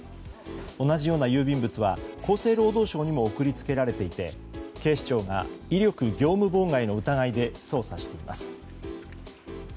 同じような郵便物は厚生労働省にも送り付けられていて警視庁が威力業務妨害の疑いで捜査しています。